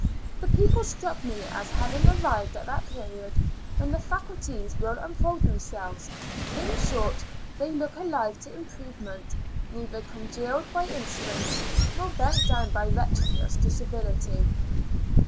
The people struck me as having arrived at that period when the faculties will unfold themselves; in short; they look alive to improvement, neither congealed by indolence, nor bent down by wretchedness to servility.